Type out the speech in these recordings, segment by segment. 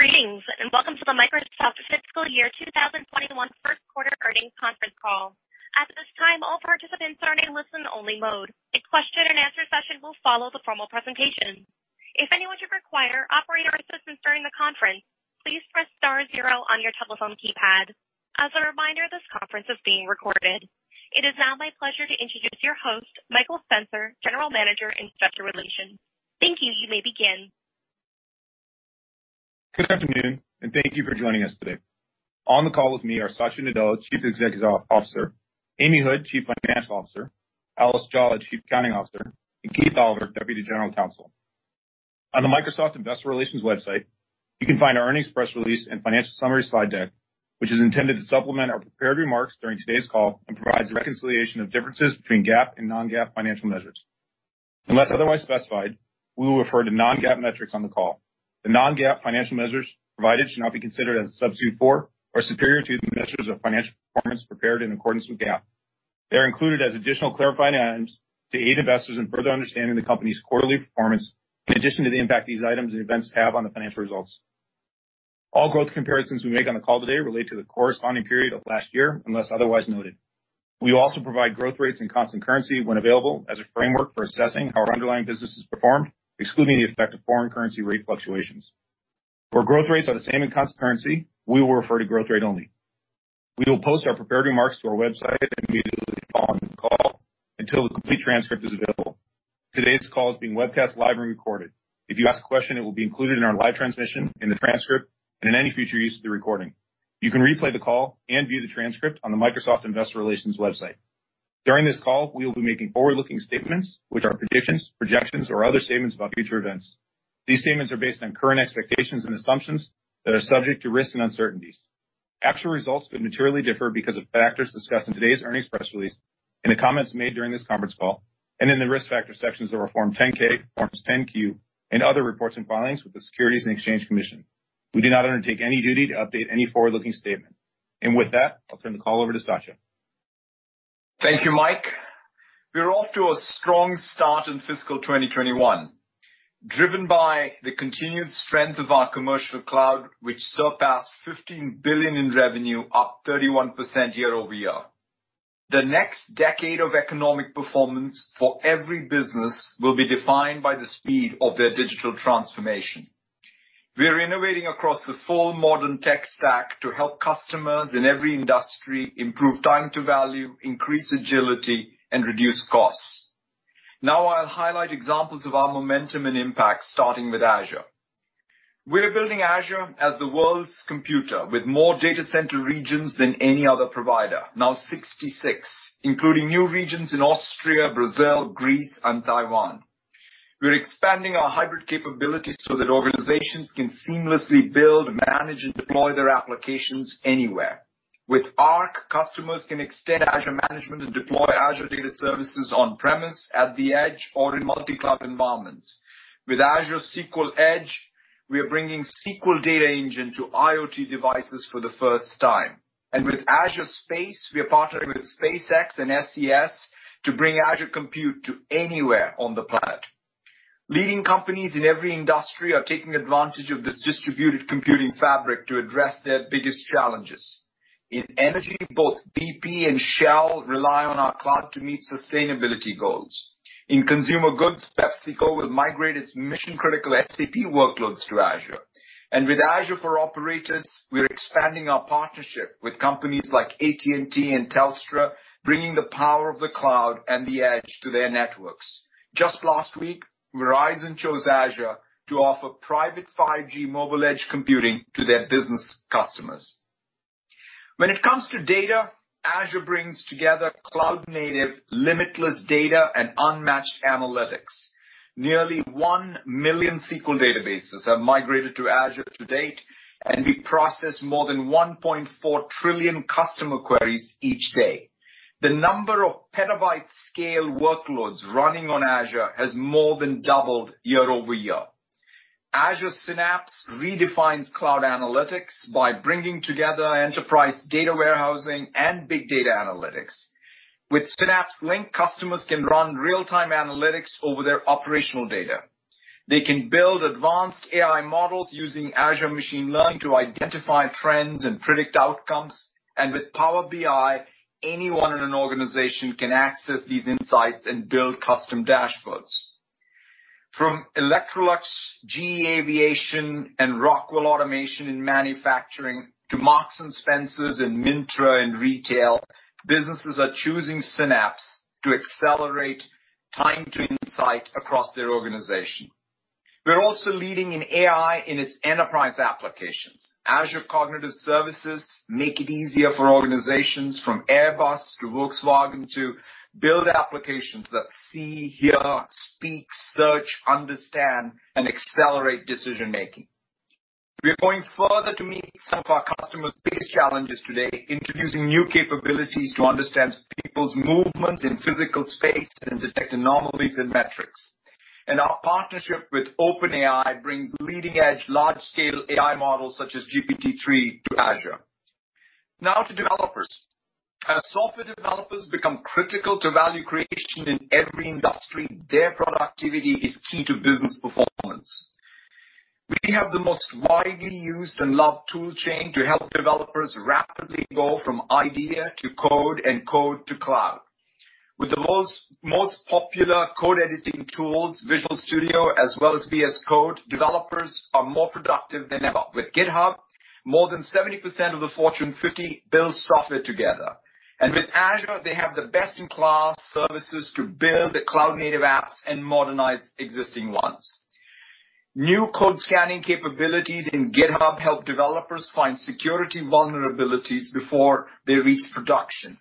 Greetings, and welcome to the Microsoft fiscal year 2021 first quarter Earnings Conference Call. At this time, all participants are in listen-only mode. A question-and-answer session will follow the formal presentation. If anyone should require operator assistance during the conference, please press star zero on your telephone keypad. As a reminder, this conference is being recorded. It is now my pleasure to introduce your host, Michael Spencer, General Manager, Investor Relations. Thank you. You may begin. Good afternoon. Thank you for joining us today. On the call with me are Satya Nadella, Chief Executive Officer, Amy Hood, Chief Financial Officer, Alice Jolla, Chief Accounting Officer, and Keith Dolliver, Deputy General Counsel. On the Microsoft Investor Relations website, you can find our earnings press release and financial summary slide deck, which is intended to supplement our prepared remarks during today's call and provides a reconciliation of differences between GAAP and non-GAAP financial measures. Unless otherwise specified, we will refer to non-GAAP metrics on the call. The non-GAAP financial measures provided should not be considered as a substitute for or superior to the measures of financial performance prepared in accordance with GAAP. They are included as additional clarifying items to aid investors in further understanding the company's quarterly performance in addition to the impact these items and events have on the financial results. All growth comparisons we make on the call today relate to the corresponding period of last year, unless otherwise noted. We also provide growth rates and constant currency when available as a framework for assessing how our underlying business has performed, excluding the effect of foreign currency rate fluctuations. Where growth rates are the same in constant currency, we will refer to growth rate only. We will post our prepared remarks to our website immediately following the call until the complete transcript is available. Today's call is being webcast live and recorded. If you ask a question, it will be included in our live transmission, in the transcript, and in any future use of the recording. You can replay the call and view the transcript on the Microsoft Investor Relations website. During this call, we will be making forward-looking statements, which are predictions, projections, or other statements about future events. These statements are based on current expectations and assumptions that are subject to risks and uncertainties. Actual results could materially differ because of factors discussed in today's earnings press release, in the comments made during this conference call, and in the risk factor sections of our Form 10-K, Form 10-Q, and other reports and filings with the Securities and Exchange Commission. We do not undertake any duty to update any forward-looking statement. With that, I'll turn the call over to Satya. Thank you, Mike. We are off to a strong start in fiscal 2021, driven by the continued strength of our commercial cloud, which surpassed $15 billion in revenue, up 31% year-over-year. The next decade of economic performance for every business will be defined by the speed of their digital transformation. We are innovating across the full modern tech stack to help customers in every industry improve time to value, increase agility, and reduce costs. Now I'll highlight examples of our momentum and impact, starting with Azure. We're building Azure as the world's computer with more data center regions than any other provider. Now 66, including new regions in Austria, Brazil, Greece, and Taiwan. We're expanding our hybrid capabilities so that organizations can seamlessly build, manage, and deploy their applications anywhere. With Arc, customers can extend Azure management and deploy Azure data services on premise, at the edge, or in multi-cloud environments. With Azure SQL Edge, we are bringing SQL data engine to IoT devices for the first time. With Azure Space, we are partnering with SpaceX and SES to bring Azure Compute to anywhere on the planet. Leading companies in every industry are taking advantage of this distributed computing fabric to address their biggest challenges. In energy, both BP and Shell rely on our cloud to meet sustainability goals. In consumer goods, PepsiCo will migrate its mission-critical SAP workloads to Azure. With Azure for Operators, we are expanding our partnership with companies like AT&T and Telstra, bringing the power of the cloud and the edge to their networks. Just last week, Verizon chose Azure to offer private 5G mobile edge computing to their business customers. When it comes to data, Azure brings together cloud-native, limitless data, and unmatched analytics. Nearly one million SQL databases have migrated to Azure to date, and we process more than 1.4 trillion customer queries each day. The number of petabyte-scale workloads running on Azure has more than doubled year-over-year. Azure Synapse redefines cloud analytics by bringing together enterprise data warehousing and big data analytics. With Synapse Link, customers can run real-time analytics over their operational data. They can build advanced AI models using Azure Machine Learning to identify trends and predict outcomes. With Power BI, anyone in an organization can access these insights and build custom dashboards. From Electrolux, GE Aviation, and Rockwell Automation in manufacturing to Marks and Spencer and Myntra in retail, businesses are choosing Synapse to accelerate time to insight across their organization. We're also leading in AI in its enterprise applications. Azure Cognitive Services make it easier for organizations from Airbus to Volkswagen to build applications that see, hear, speak, search, understand, and accelerate decision-making. We are going further to meet some of our customers' biggest challenges today, introducing new capabilities to understand people's movements in physical space and detect anomalies and metrics. Our partnership with OpenAI brings leading-edge large-scale AI models such as GPT-3 to Azure. Now to developers. As software developers become critical to value creation in every industry, their productivity is key to business performance. We have the most widely used and loved toolchain to help developers rapidly go from idea to code and code to cloud. With the most popular code editing tools, Visual Studio as well as VS Code, developers are more productive than ever. With GitHub, more than 70% of the Fortune 50 build software together. With Azure, they have the best-in-class services to build the cloud-native apps and modernize existing ones. New code scanning capabilities in GitHub help developers find security vulnerabilities before they reach production.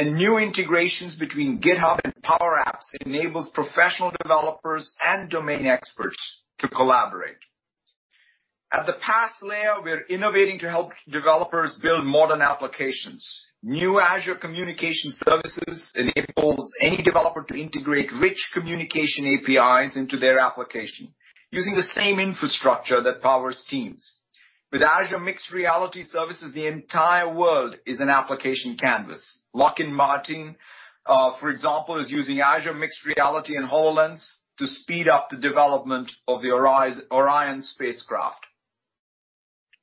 New integrations between GitHub and Power Apps enable professional developers and domain experts to collaborate. At the PaaS layer, we're innovating to help developers build modern applications. New Azure Communication Services enables any developer to integrate rich communication APIs into their application using the same infrastructure that powers Teams. With Azure Mixed Reality Services, the entire world is an application canvas. Lockheed Martin, for example, is using Azure Mixed Reality in HoloLens to speed up the development of the Orion spacecraft.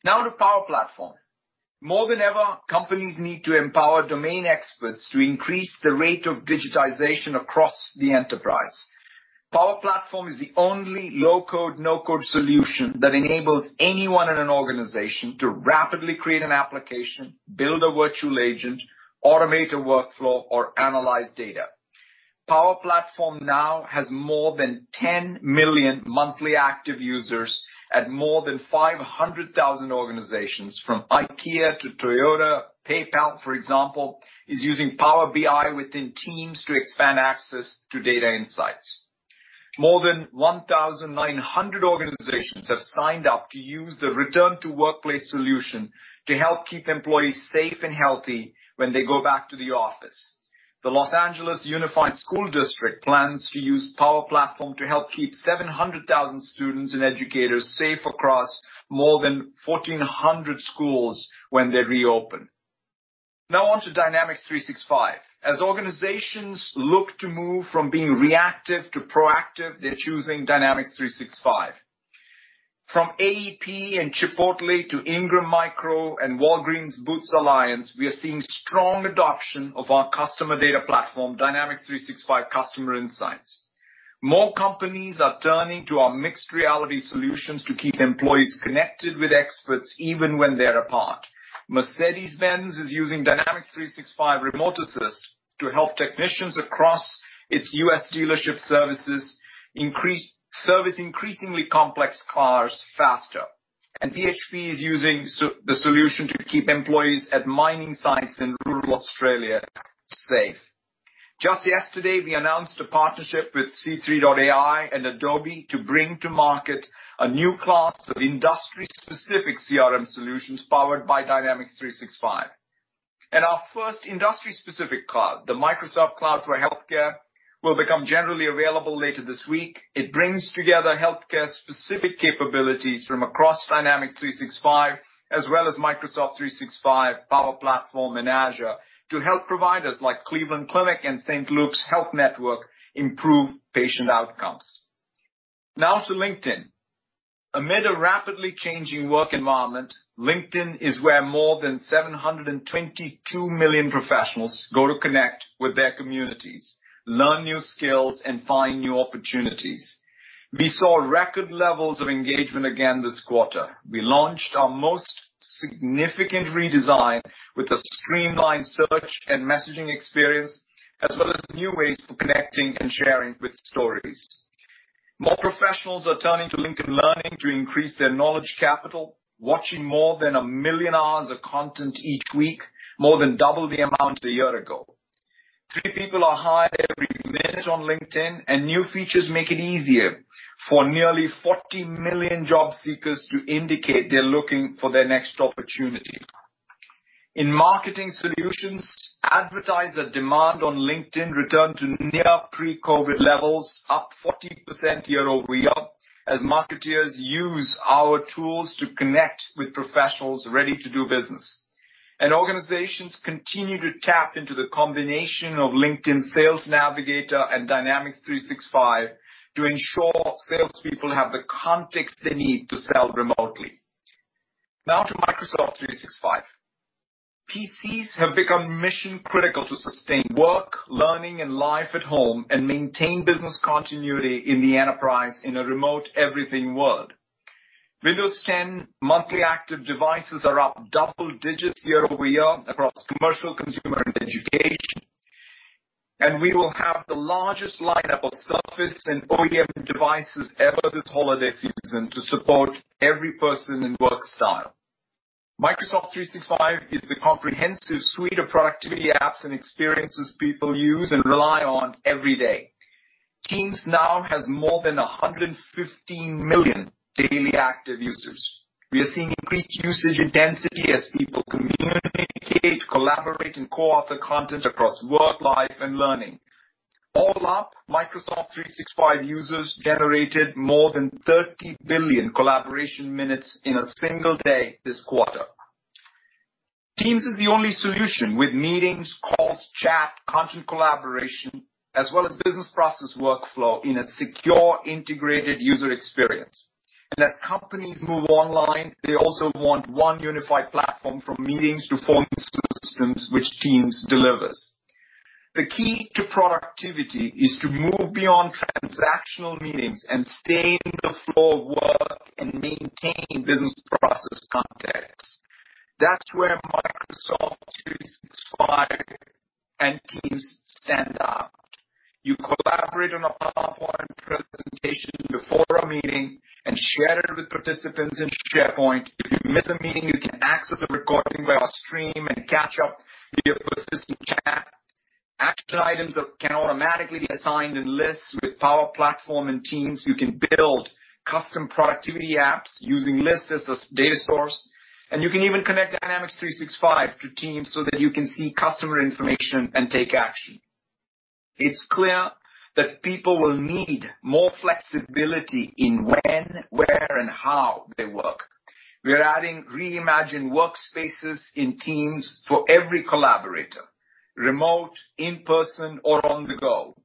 Now to Power Platform. More than ever, companies need to empower domain experts to increase the rate of digitization across the enterprise. Power Platform is the only low-code, no-code solution that enables anyone in an organization to rapidly create an application, build a virtual agent, automate a workflow, or analyze data. Power Platform now has more than 10 million monthly active users at more than 500,000 organizations from IKEA to Toyota. PayPal, for example, is using Power BI within Teams to expand access to data insights. More than 1,900 organizations have signed up to use the Return to the Workplace solution to help keep employees safe and healthy when they go back to the office. The Los Angeles Unified School District plans to use Power Platform to help keep 700,000 students and educators safe across more than 1,400 schools when they reopen. Now on to Dynamics 365. As organizations look to move from being reactive to proactive, they're choosing Dynamics 365. From AEP and Chipotle to Ingram Micro and Walgreens Boots Alliance, we are seeing strong adoption of our customer data platform, Dynamics 365 Customer Insights. More companies are turning to our mixed reality solutions to keep employees connected with experts even when they're apart. Mercedes-Benz is using Dynamics 365 Remote Assist to help technicians across its U.S. dealership services increase service on increasingly complex cars faster. BHP is using the solution to keep employees at mining sites in rural Australia safe. Just yesterday, we announced a partnership with C3.ai and Adobe to bring to market a new class of industry-specific CRM solutions powered by Dynamics 365. Our first industry-specific cloud, the Microsoft Cloud for Healthcare, will become generally available later this week. It brings together healthcare-specific capabilities from across Dynamics 365, as well as the Microsoft 365 Power Platform in Azure, to help providers like Cleveland Clinic and St. Luke's University Health Network improve patient outcomes. Now to LinkedIn. Amid a rapidly changing work environment, LinkedIn is where more than 722 million professionals go to connect with their communities, learn new skills, and find new opportunities. We saw record levels of engagement again this quarter. We launched our most significant redesign with a streamlined search and messaging experience, as well as new ways for connecting and sharing with Stories. More professionals are turning to LinkedIn Learning to increase their knowledge capital, watching more than a million hours of content each week, more than double the amount a year ago. Three people are hired every minute on LinkedIn. New features make it easier for nearly 40 million job seekers to indicate they're looking for their next opportunity. In Marketing Solutions, advertiser demand on LinkedIn returned to near pre-COVID levels, up 40% year-over-year, as marketers use our tools to connect with professionals ready to do business. Organizations continue to tap into the combination of LinkedIn Sales Navigator and Dynamics 365 to ensure salespeople have the context they need to sell remotely. Now to Microsoft 365. PCs have become mission-critical to sustain work, learning, and life at home and maintain business continuity in the enterprise in a remote-everything world. Windows 10 monthly active devices are up double-digits year-over-year across commercial, consumer, and education. We will have the largest lineup of Surface and OEM devices ever this holiday season to support every person and work style. Microsoft 365 is the comprehensive suite of productivity apps and experiences people use and rely on every day. Teams now has more than 115 million daily active users. We are seeing increased usage intensity as people communicate, collaborate, and co-author content across work, life, and learning. All told, Microsoft 365 users generated more than 30 billion collaboration minutes in a single day this quarter. Teams is the only solution with meetings, calls, chat, and content collaboration as well as business process workflow in a secure, integrated user experience. As companies move online, they also want one unified platform from meetings to phone systems, which Teams delivers. The key to productivity is to move beyond transactional meetings and stay in the flow of work and maintain business process context. That's where Microsoft 365 and Teams stand out. You collaborate on a PowerPoint presentation before a meeting and share it with participants in SharePoint. If you miss a meeting, you can access a recording via Stream and catch up via persistent chat. Action items can automatically be assigned in Lists with the Power Platform and Teams. You can build custom productivity apps using Lists as this data source, and you can even connect Dynamics 365 to Teams so that you can see customer information and take action. It's clear that people will need more flexibility in when, where, and how they work. We are adding reimagined workspaces in Teams for every collaborator, whether remote, in person, or on the go.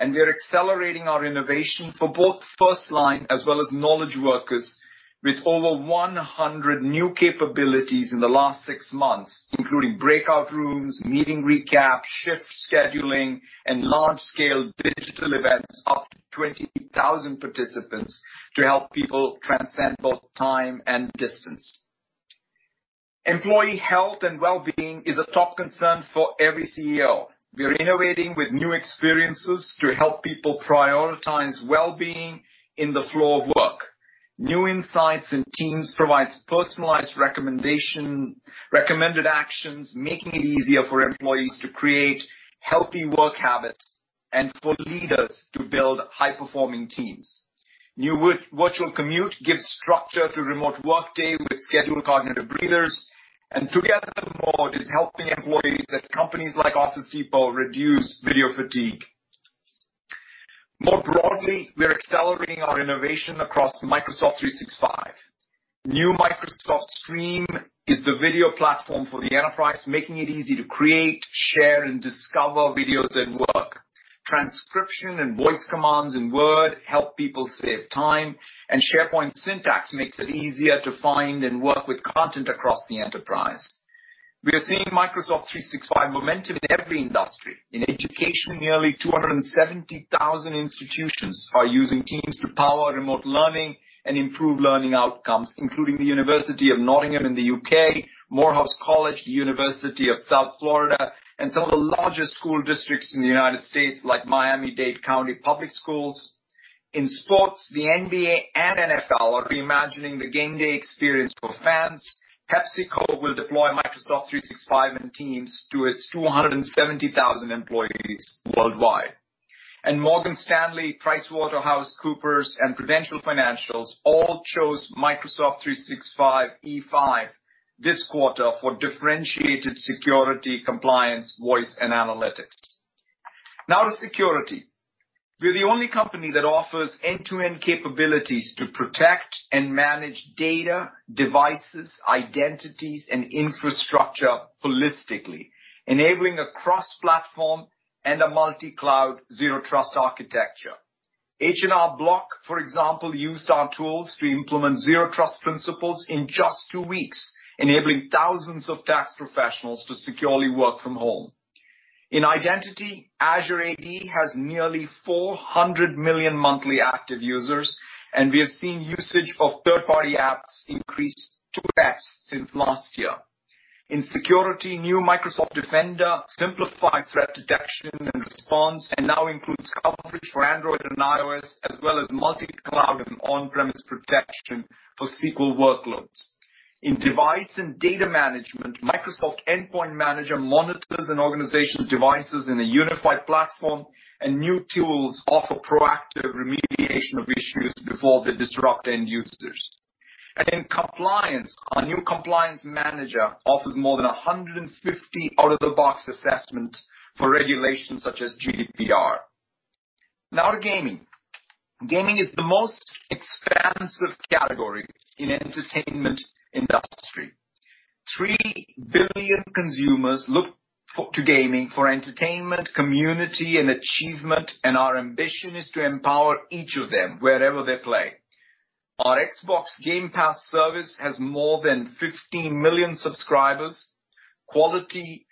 We are accelerating our innovation for both first-line and knowledge workers with over 100 new capabilities in the last six months, including breakout rooms, meeting recaps, shift scheduling, and large-scale digital events for up to 20,000 participants to help people transcend both time and distance. Employee health and well-being are top concerns for every CEO. We are innovating with new experiences to help people prioritize well-being in the flow of work. New insights in Teams provide personalized recommended actions, making it easier for employees to create healthy work habits and for leaders to build high-performing teams. New Virtual Commute gives structure to a remote workday with scheduled cognitive breathers. Together mode is helping employees at companies like Office Depot reduce video fatigue. More broadly, we are accelerating our innovation across Microsoft 365. New Microsoft Stream is the video platform for the enterprise, making it easy to create, share, and discover videos at work. Transcription and voice commands in Word help people save time. SharePoint Syntex makes it easier to find and work with content across the enterprise. We are seeing Microsoft 365 momentum in every industry. In education, nearly 270,000 institutions are using Teams to power remote learning and improve learning outcomes, including the University of Nottingham in the U.K., Morehouse College, the University of South Florida, and some of the largest school districts in the U.S., like Miami-Dade County Public Schools. In sports, the NBA and NFL are reimagining the game day experience for fans. PepsiCo will deploy Microsoft 365 and Teams to its 270,000 employees worldwide. Morgan Stanley, PricewaterhouseCoopers, and Prudential Financial all chose Microsoft 365 E5 this quarter for differentiated security, compliance, voice, and analytics. Now to security. We're the only company that offers end-to-end capabilities to protect and manage data, devices, identities, and infrastructure holistically, enabling a cross-platform and multi-cloud Zero Trust architecture. H&R Block, for example, used our tools to implement Zero Trust principles in just two weeks, enabling thousands of tax professionals to securely work from home. In identity, Azure AD has nearly 400 million monthly active users, and we have seen usage of third-party apps increase two times since last year. In security, new Microsoft Defender simplifies threat detection and response and now includes coverage for Android and iOS, as well as multi-cloud and on-premise protection for SQL workloads. In device and data management, Microsoft Endpoint Manager monitors an organization's devices in a unified platform, new tools offer proactive remediation of issues before they disrupt end users. In compliance, our new Microsoft Purview Compliance Manager offers more than 150 out-of-the-box assessments for regulations such as GDPR. Now to gaming. Gaming is the most expansive category in the entertainment industry. Three billion consumers look to gaming for entertainment, community, and achievement, our ambition is to empower each of them wherever they play. Our Xbox Game Pass service has more than 15 million subscribers. Quality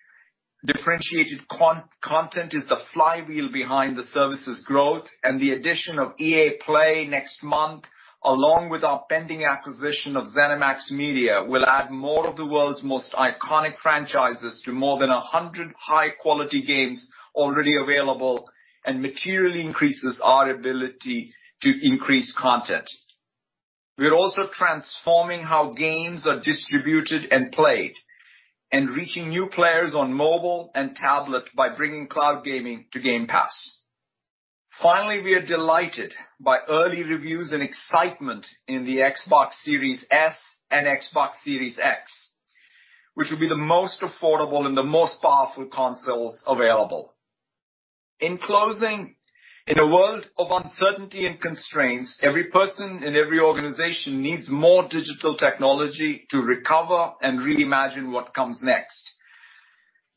differentiated content is the flywheel behind the service's growth. The addition of EA Play next month, along with our pending acquisition of ZeniMax Media, will add more of the world's most iconic franchises to more than 100 high-quality games already available and materially increases our ability to increase content. We are also transforming how games are distributed and played and reaching new players on mobile and tablet by bringing cloud gaming to Game Pass. Finally, we are delighted by early reviews and excitement for the Xbox Series S and Xbox Series X, which will be the most affordable and the most powerful consoles available. In closing, in a world of uncertainty and constraints, every person in every organization needs more digital technology to recover and reimagine what comes next.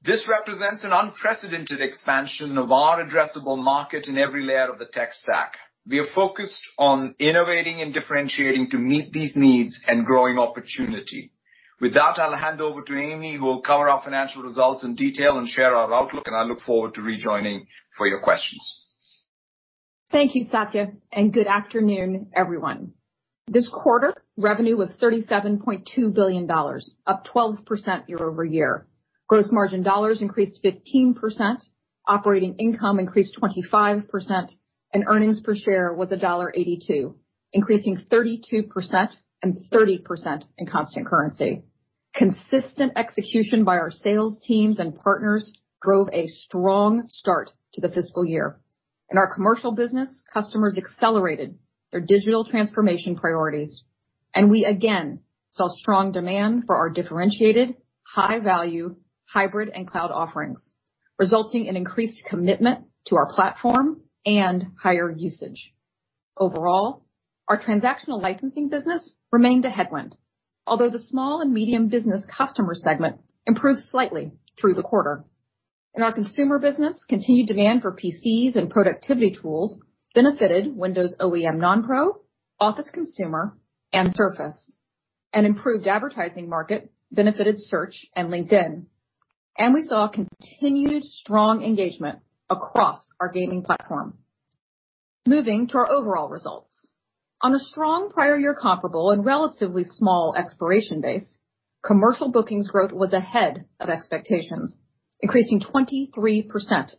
This represents an unprecedented expansion of our addressable market in every layer of the tech stack. We are focused on innovating and differentiating to meet these needs and grow opportunity. With that, I'll hand over to Amy, who will cover our financial results in detail and share our outlook, and I look forward to rejoining for your questions. Thank you, Satya, and good afternoon, everyone. This quarter, revenue was $37.2 billion, up 12% year-over-year. Gross margin dollars increased 15%, operating income increased 25%, and earnings per share was $1.82, increasing 32% and 30% in constant currency. Consistent execution by our sales teams and partners drove a strong start to the fiscal year. In our commercial business, customers accelerated their digital transformation priorities, and we again saw strong demand for our differentiated, high-value hybrid and cloud offerings, resulting in increased commitment to our platform and higher usage. Overall, our transactional licensing business remained a headwind, although the small and medium business customer segment improved slightly through the quarter. In our consumer business, continued demand for PCs and productivity tools benefited Windows OEM Non-Pro, Office Consumer, and Surface. An improved advertising market benefited Search and LinkedIn. We saw continued strong engagement across our gaming platform. Moving to our overall results. On a strong prior year comparable and relatively small expiration base, commercial bookings growth was ahead of expectations, increasing 23%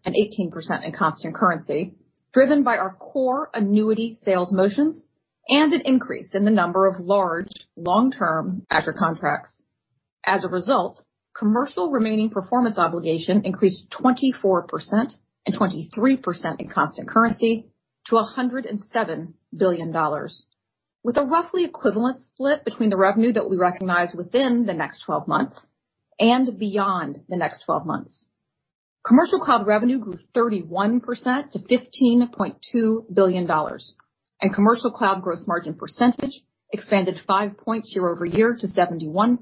and 18% in constant currency, driven by our core annuity sales motions and an increase in the number of large long-term Azure contracts. As a result, commercial remaining performance obligation increased 24% and 23% in constant currency to $107 billion, with a roughly equivalent split between the revenue that we recognize within the next 12 months and beyond the next 12 months. Commercial cloud revenue grew 31% to $15.2 billion. Commercial cloud gross margin percentage expanded five points year-over-year to 71%,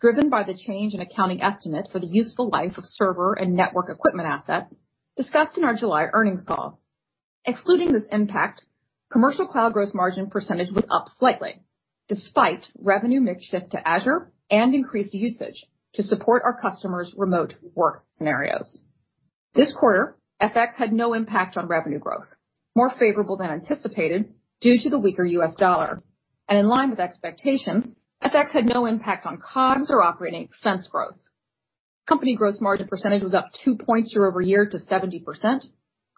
driven by the change in accounting estimate for the useful life of server and network equipment assets discussed in our July earnings call. Excluding this impact, commercial cloud gross margin percentage was up slightly despite the revenue mix shift to Azure and increased usage to support our customers' remote work scenarios. This quarter, FX had no impact on revenue growth, which was more favorable than anticipated due to the weaker US dollar. In line with expectations, FX had no impact on COGS or operating expense growth. Company gross margin percentage was up two points year-over-year to 70%,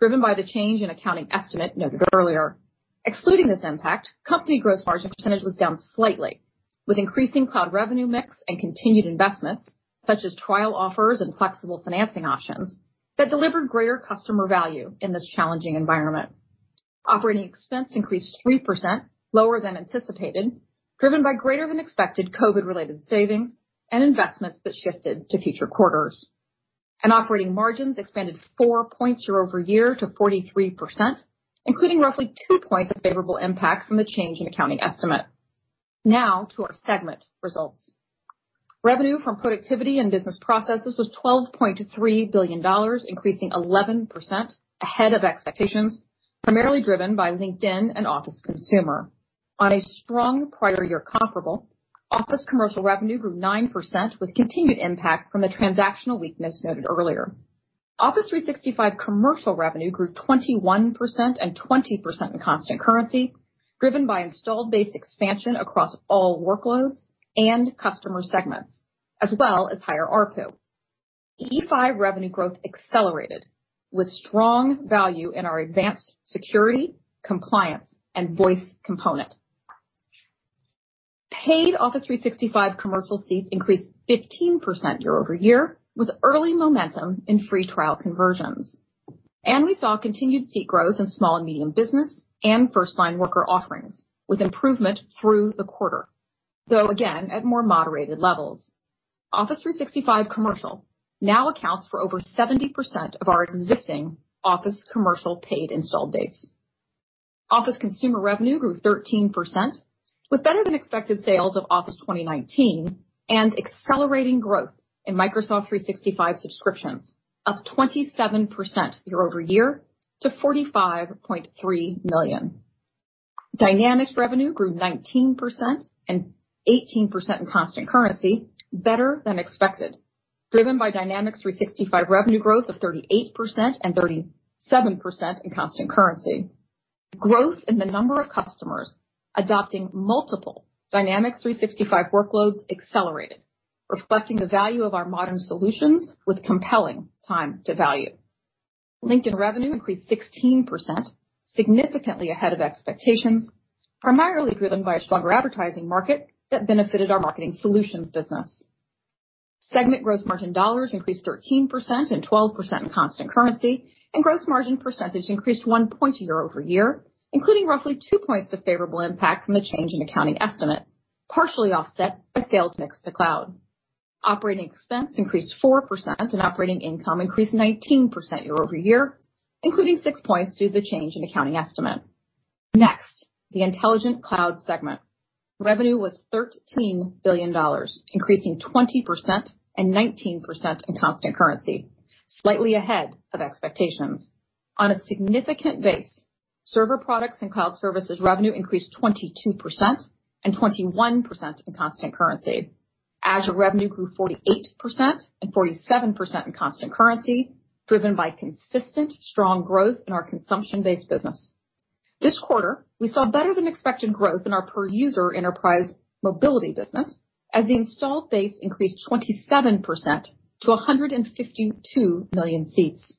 driven by the change in accounting estimate noted earlier. Excluding this impact, the company's gross margin percentage was down slightly with increasing cloud revenue mix and continued investments such as trial offers and flexible financing options that delivered greater customer value in this challenging environment. Operating expense increased 3%, lower than anticipated, driven by greater than expected COVID-related savings and investments that shifted to future quarters. Operating margins expanded four points year-over-year to 43%, including roughly two points of favorable impact from the change in accounting estimate. Now to our segment results. Revenue from Productivity and Business Processes was $12.3 billion, increasing 11% ahead of expectations, primarily driven by LinkedIn and Office Consumer. On a strong prior year comparable, Office Commercial revenue grew 9% with continued impact from the transactional weakness noted earlier. Office 365 commercial revenue grew 21% and 20% in constant currency, driven by installed base expansion across all workloads and customer segments, as well as higher ARPU. E5 revenue growth accelerated with strong value in our advanced security, compliance, and voice component. Paid Office 365 commercial seats increased 15% year-over-year with early momentum in free trial conversions. We saw continued seat growth in small and medium business and firstline worker offerings with improvement through the quarter. Though again, at more moderated levels. Office 365 commercial now accounts for over 70% of our existing Office Commercial paid installed base. Office Consumer Revenue grew 13% with better than expected sales of Office 2019 and accelerating growth in Microsoft 365 subscriptions up 27% year-over-year to 45.3 million. Dynamics revenue grew 19% and 18% in constant currency better than expected, driven by Dynamics 365 revenue growth of 38% and 37% in constant currency. Growth in the number of customers adopting multiple Dynamics 365 workloads accelerated, reflecting the value of our modern solutions with compelling time to value. LinkedIn revenue increased 16%, significantly ahead of expectations, primarily driven by a stronger advertising market that benefited our marketing solutions business. Segment gross margin dollars increased 13% and 12% in constant currency, and gross margin percentage increased one point year-over-year, including roughly two points of favorable impact from the change in accounting estimate, partially offset by sales mix to cloud. Operating expense increased 4% and operating income increased 19% year-over-year, including 6 points due to the change in accounting estimate. Next, the Intelligent Cloud segment. Revenue was $13 billion, increasing 20% and 19% in constant currency, slightly ahead of expectations. On a significant base, server products and cloud services revenue increased 22% and 21% in constant currency. Azure revenue grew 48% and 47% in constant currency, driven by consistent strong growth in our consumption-based business. This quarter, we saw better than expected growth in our per-user Enterprise Mobility business as the installed base increased 27% to 152 million seats.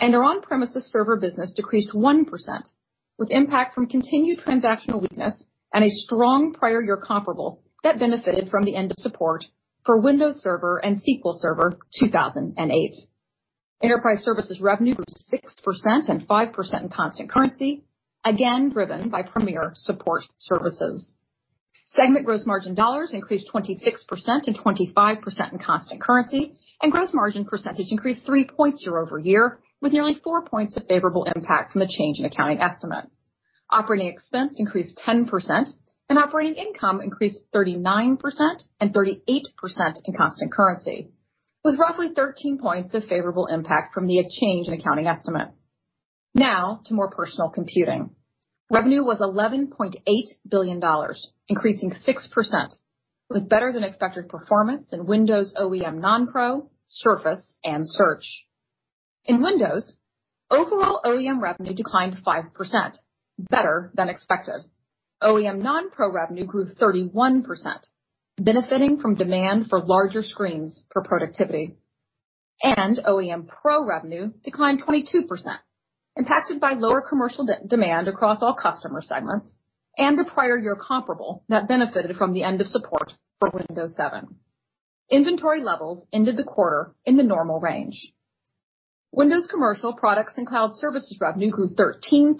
Our on-premises server business decreased 1% with impact from continued transactional weakness and a strong prior-year comparable that benefited from the end of support for Windows Server and SQL Server 2008. Enterprise Services revenue grew 6% and 5% in constant currency, again driven by Premier Support Services. Segment gross margin dollars increased 26% and 25% in constant currency, gross margin percentage increased three points year-over-year with nearly four points of favorable impact from the change in accounting estimate. Operating expense increased 10%, and operating income increased 39% and 38% in constant currency, with roughly 13 points of favorable impact from the change in accounting estimate. Now to More Personal Computing. Revenue was $11.8 billion, increasing 6% with better than expected performance in Windows OEM Non-Pro, Surface, and Search. In Windows, overall OEM revenue declined 5%, better than expected. OEM Non-Pro revenue grew 31%, benefiting from demand for larger screens for productivity. OEM Pro revenue declined 22%, impacted by lower commercial demand across all customer segments and a prior-year comparable that benefited from the end of support for Windows 7. Inventory levels ended the quarter in the normal range. Windows Commercial products and cloud services revenue grew 13%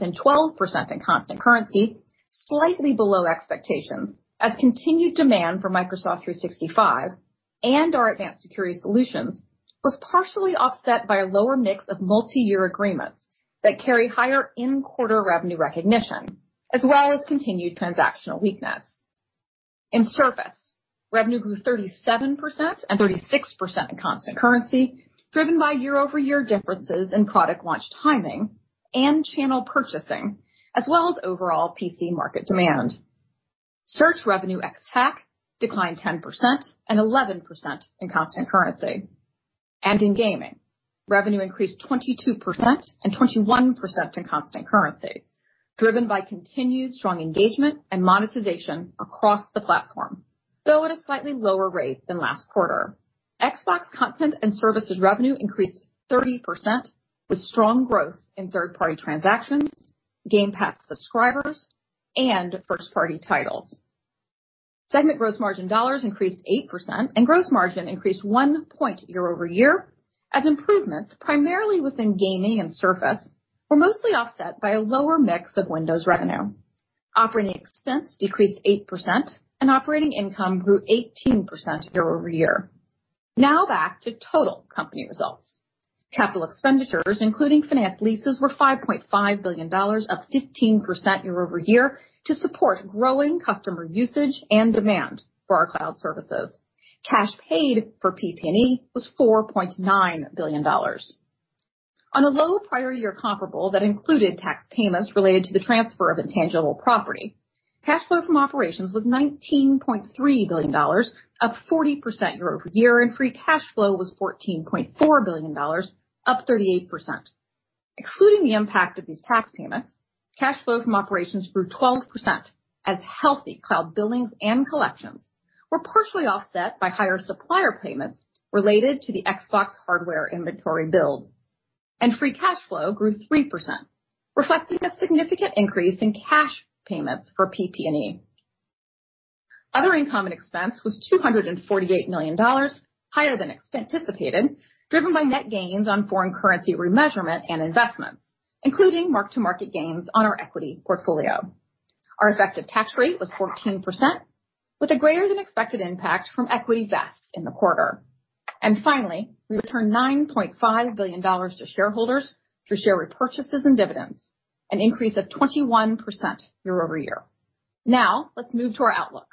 and 12% in constant currency, slightly below expectations as continued demand for Microsoft 365 and our advanced security solutions was partially offset by a lower mix of multiyear agreements that carry higher in-quarter revenue recognition, as well as continued transactional weakness. In Surface, revenue grew 37% and 36% in constant currency, driven by year-over-year differences in product launch timing and channel purchasing, as well as overall PC market demand. Search revenue ex TAC declined 10% and 11% in constant currency. In gaming, revenue increased 22% and 21% in constant currency, driven by continued strong engagement and monetization across the platform, though at a slightly lower rate than last quarter. Xbox content and services revenue increased 30% with strong growth in third-party transactions, Game Pass subscribers, and first-party titles. Segment gross margin dollars increased 8%, and gross margin increased one point year-over-year as improvements primarily within gaming and Surface were mostly offset by a lower mix of Windows revenue. Operating expense decreased 8% and operating income grew 18% year-over-year. Back to total company results. Capital expenditures, including finance leases, were $5.5 billion, up 15% year-over-year to support growing customer usage and demand for our cloud services. Cash paid for PP&E was $4.9 billion. On a low prior year comparable that included tax payments related to the transfer of intangible property, cash flow from operations was $19.3 billion, up 40% year-over-year, and free cash flow was $14.4 billion, up 38%. Excluding the impact of these tax payments, cash flow from operations grew 12% as healthy cloud billings and collections were partially offset by higher supplier payments related to the Xbox hardware inventory build. Free cash flow grew 3%, reflecting a significant increase in cash payments for PP&E. Other income and expense was $248 million, higher than anticipated, driven by net gains on foreign currency remeasurement and investments, including mark-to-market gains on our equity portfolio. Our effective tax rate was 14%, with a greater-than-expected impact from equity vests in the quarter. Finally, we returned $9.5 billion to shareholders through share repurchases and dividends, an increase of 21% year-over-year. Let's move to our outlook.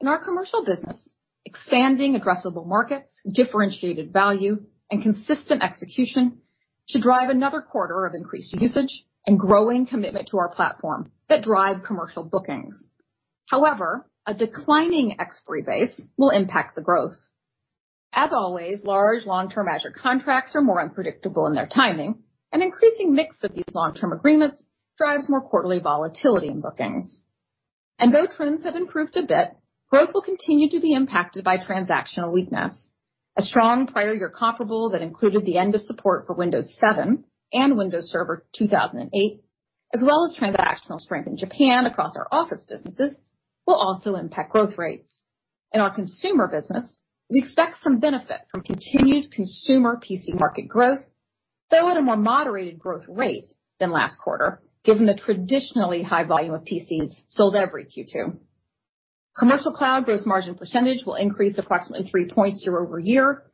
In our commercial business, expanding addressable markets, differentiated value, and consistent execution should drive another quarter of increased usage and growing commitment to our platform that drives commercial bookings. However, a declining expiry base will impact growth. As always, large long-term Azure contracts are more unpredictable in their timing. Increasing mix of these long-term agreements drives more quarterly volatility in bookings. Though trends have improved a bit, growth will continue to be impacted by transactional weakness. A strong prior year comparable that included the end of support for Windows 7 and Windows Server 2008 as well as transactional strength in Japan across our Office businesses will also impact growth rates. In our consumer business, we expect some benefit from continued consumer PC market growth, though at a more moderated growth rate than last quarter, given the traditionally high volume of PCs sold every Q2. Commercial cloud gross margin percentage will increase approximately three points year-over-year,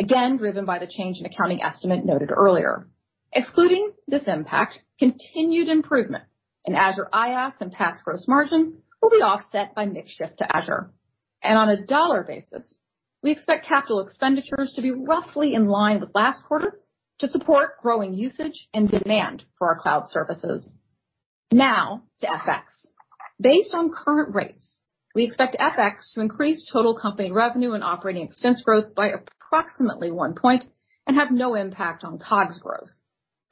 again, driven by the change in accounting estimate noted earlier. Excluding this impact, continued improvement in Azure IaaS and PaaS gross margin will be offset by mix shift to Azure. On a dollar basis, we expect capital expenditures to be roughly in line with last quarter to support growing usage and demand for our cloud services. Now to FX. Based on current rates, we expect FX to increase total company revenue and operating expense growth by approximately one point and have no impact on COGS growth.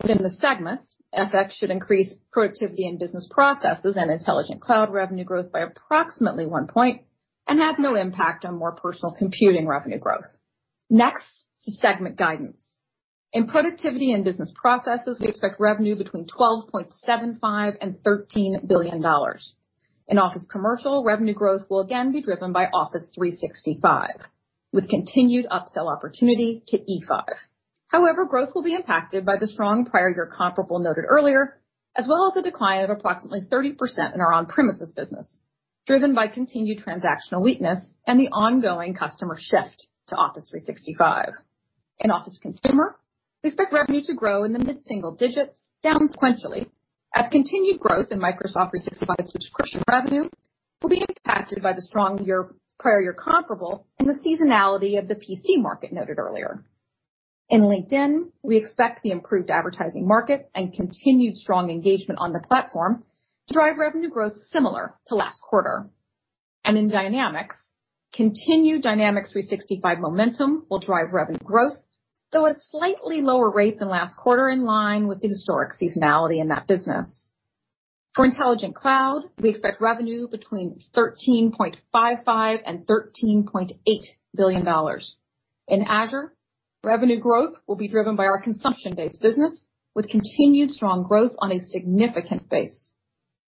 Within the segments, FX should increase productivity and business processes and intelligent cloud revenue growth by approximately one point and have no impact on more personal computing revenue growth. Segment guidance. In productivity and business processes, we expect revenue between $12.75 billion and $13 billion. In Office Commercial, revenue growth will again be driven by Office 365, with continued upsell opportunity to E5. Growth will be impacted by the strong prior year comparable noted earlier, as well as a decline of approximately 30% in our on-premises business, driven by continued transactional weakness and the ongoing customer shift to Office 365. In Office Consumer, we expect revenue to grow in the mid-single digits down sequentially as continued growth in Microsoft 365 subscription revenue will be impacted by the strong year, prior-year comparability, and the seasonality of the PC market noted earlier. On LinkedIn, we expect the improved advertising market and continued strong engagement on the platform to drive revenue growth similar to last quarter. In Dynamics, continued Dynamics 365 momentum will drive revenue growth, though a slightly lower rate than last quarter, in line with the historic seasonality in that business. For Intelligent Cloud, we expect revenue between $13.55 billion and $13.8 billion. In Azure, revenue growth will be driven by our consumption-based business, with continued strong growth on a significant base.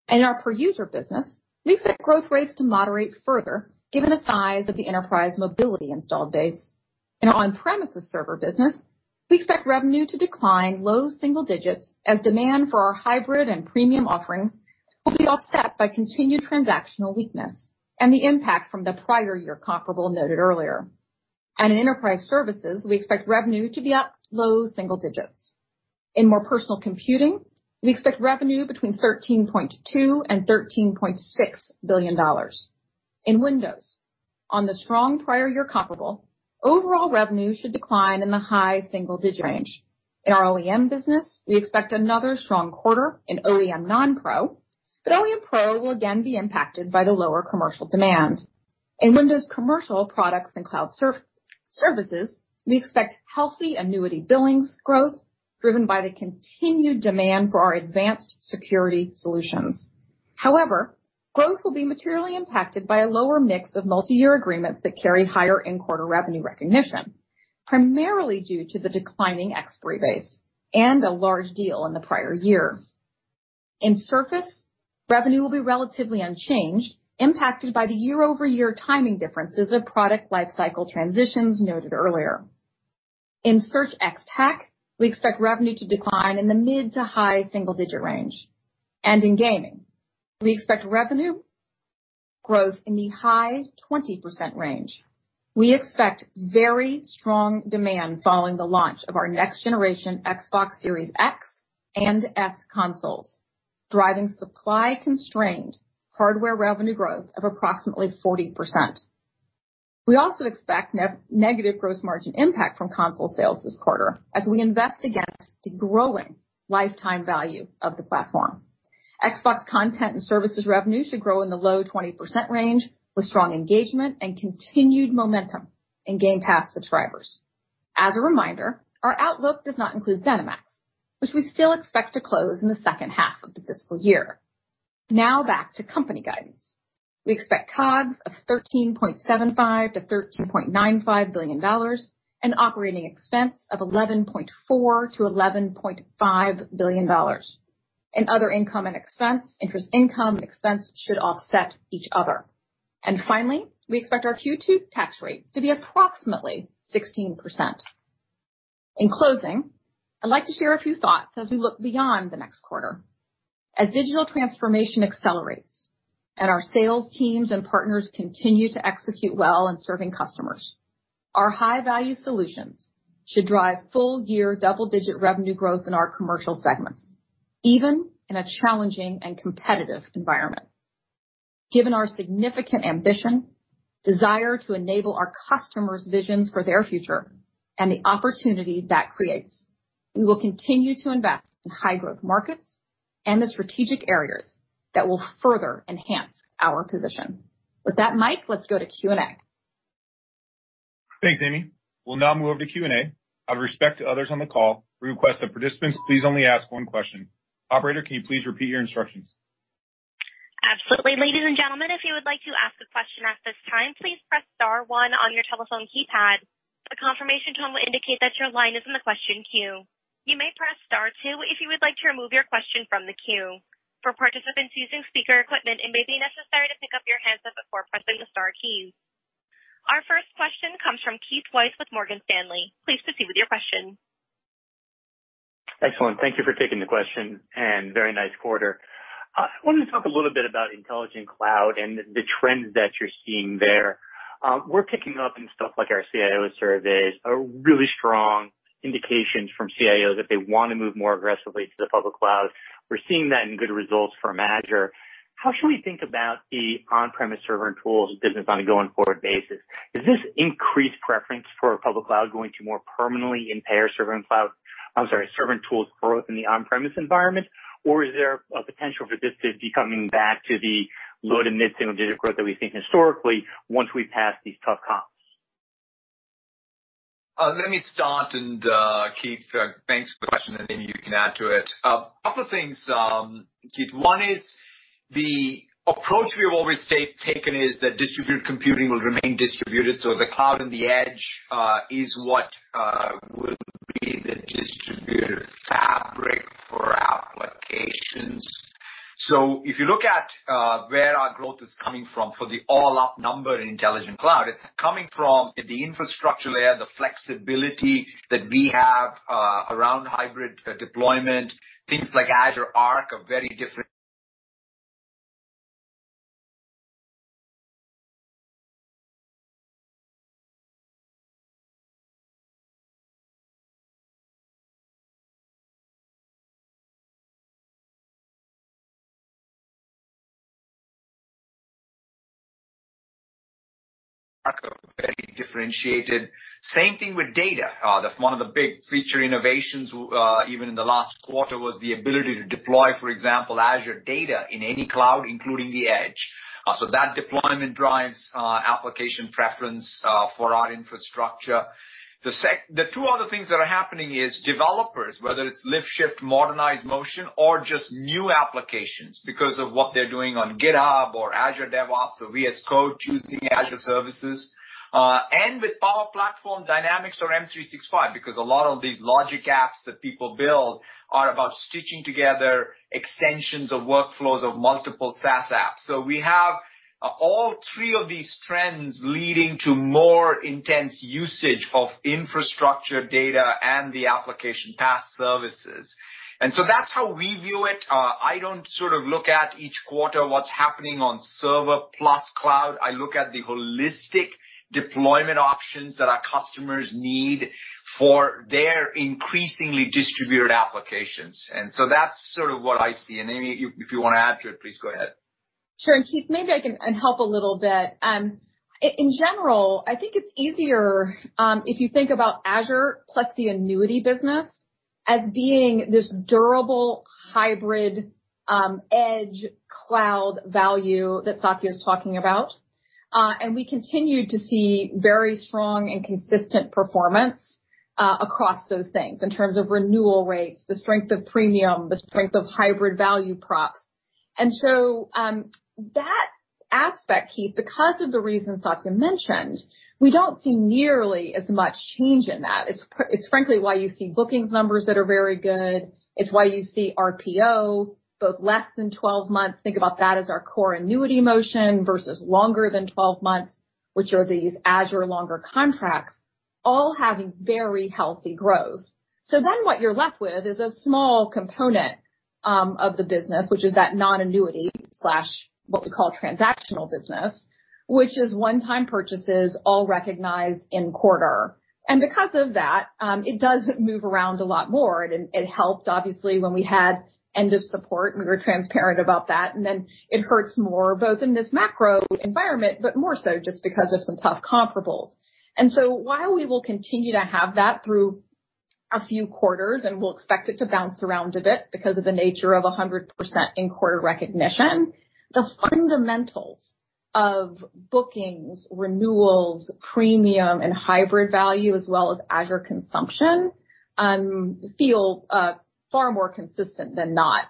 In our per-user business, we expect growth rates to moderate further given the size of the enterprise mobility installed base. In our on-premises server business, we expect revenue to decline low single digits as demand for our hybrid and premium offerings will be offset by continued transactional weakness and the impact from the prior year's comparable, noted earlier. In Enterprise Services, we expect revenue to be up low single digits. In More Personal Computing, we expect revenue between $13.2 billion and $13.6 billion. In Windows, on the strong prior year comparable, overall revenue should decline in the high single-digit range. In our OEM business, we expect another strong quarter in OEM non-pro, but OEM Pro will again be impacted by the lower commercial demand. In Windows commercial products and cloud services, we expect healthy annuity billings growth driven by the continued demand for our advanced security solutions. Growth will be materially impacted by a lower mix of multiyear agreements that carry higher in-quarter revenue recognition, primarily due to the declining expiry base and a large deal in the prior year. In Surface, revenue will be relatively unchanged, impacted by the year-over-year timing differences of product lifecycle transitions noted earlier. In Search ex TAC, we expect revenue to decline in the mid- to high single-digit range. In gaming, we expect revenue growth in the high 20% range. We expect very strong demand following the launch of our next-generation Xbox Series X and S consoles, driving supply-constrained hardware revenue growth of approximately 40%. We also expect negative gross margin impact from console sales this quarter as we invest against the growing lifetime value of the platform. Xbox content and services revenue should grow in the low 20% range with strong engagement and continued momentum in Game Pass subscribers. As a reminder, our outlook does not include ZeniMax, which we still expect to close in the second half of the fiscal year. Back to company guidance. We expect COGS of $13.75 billion-$13.95 billion and operating expenses of $11.4 billion-$11.5 billion. In other income and expenses, interest income and expense should offset each other. Finally, we expect our Q2 tax rate to be approximately 16%. In closing, I'd like to share a few thoughts as we look beyond the next quarter. As digital transformation accelerates and our sales teams and partners continue to execute well in serving customers, our high-value solutions should drive full-year double-digit revenue growth in our commercial segments, even in a challenging and competitive environment. Given our significant ambition, desire to enable our customers' visions for their future, and the opportunity that creates, we will continue to invest in high-growth markets and the strategic areas that will further enhance our position. With that, Mike, let's go to Q&A. Thanks, Amy. We'll now move over to Q&A. Out of respect to others on the call, we request that participants please only ask one question. Operator, can you please repeat your instructions? Absolutely, ladies and gentlemen, if you would like to ask a question at this time, please press star one on your telephone keypad. A confirmation tone will indicate that your line is in the question queue. You may press star two if you would like to remove your question from the queue. For participants using speaker equipment, it may be necessary to pick up your handset before pressing the star key. Our first question comes from Keith Weiss with Morgan Stanley. Please proceed with your question. Excellent. Thank you for taking the question and for a very nice quarter. I wanted to talk a little bit about Intelligent Cloud and the trends that you're seeing there. We're picking up on stuff like our CIO surveys, a really strong indication from CIOs that they want to move more aggressively to the public cloud. We're seeing that in good results for Azure. How should we think about the on-premise server and tools business on a going-forward basis? Is this increased preference for the public cloud going to more permanently impair server and tools growth in the on-premise environment? Is there a potential for this to be coming back to the low to mid-single-digit growth that we've seen historically once we pass these tough comps? Let me start, Keith. thanks for the question, and Amy, you can add to it. Couple things, Keith, one is the approach we have always taken is that distributed computing will remain distributed, the cloud and the edge are what will be the distributed fabric for applications. If you look at where our growth is coming from for the all-up number in Intelligent Cloud, it's coming from the infrastructure layer and the flexibility that we have around hybrid deployment, things like Azure Arc are very differentiated. Same thing with data. That's one of the big feature innovations, even in the last quarter, the ability to deploy, for example, Azure data in any cloud, including the edge. That deployment drives application preference for our infrastructure. The two other things that are happening are developers, whether it's lift, shift, or modernize motion or just new applications because of what they're doing on GitHub or Azure DevOps or VS Code, choosing Azure services. With Power Platform Dynamics or M365, because a lot of these logic apps that people build are about stitching together extensions of workflows of multiple SaaS apps. We have all three of these trends leading to more intense usage of infrastructure data and the application PaaS services. That's how we view it. I don't sort of look at each quarter at what's happening on the server plus cloud. I look at the holistic deployment options that our customers need for their increasingly distributed applications. That's sort of what I see. Amy, if you want to add to it, please go ahead. Sure. Keith, maybe I can help a little bit. In general, I think it's easier if you think about Azure plus the annuity business as being this durable hybrid edge cloud value that Satya is talking about. We continue to see very strong and consistent performance across those things in terms of renewal rates, the strength of premium, and the strength of hybrid value propositions. So, that aspect, Keith, because of the reasons Satya mentioned, we don't see nearly as much change in that. Frankly, you see booking numbers that are very good. Why do you see RPO, both less than 12 months? Think about that as our core annuity motion versus longer than 12 months, which are these longer Azure contracts, all having very healthy growth. What you're left with is a small component of the business, which is that non-annuity slash what we call transactional business, which is one-time purchases all recognized in a quarter. Because of that, it does move around a lot more. It helped obviously when we had end of support, we were transparent about that, and then it hurts more both in this macro environment and more so just because of some tough comparables. While we will continue to have that through a few quarters, and we'll expect it to bounce around a bit because of the nature of 100% in-quarter recognition, the fundamentals of bookings, renewals, premium and hybrid value, as well as Azure consumption, feel far more consistent than that